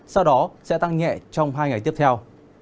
sau đó sẽ tăng nhẹ trong hai ngày tiếp theo